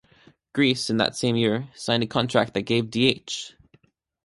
Gris, in that same year, signed a contract that gave D.-H.